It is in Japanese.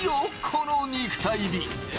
この肉体美。